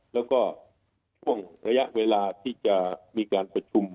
แล้วก็ช่วงระยะเวลาที่จะมีการประชุม